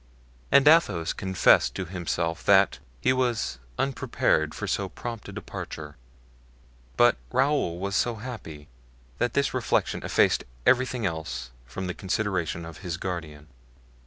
And Athos confessed to himself that, he was unprepared for so prompt a departure; but Raoul was so happy that this reflection effaced everything else from the consideration of his guardian.